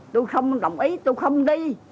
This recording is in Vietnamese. tôi không đồng ý tôi không đi